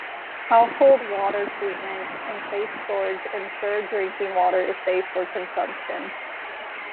Household water treatment and safe storage ensure drinking water is safe for consumption.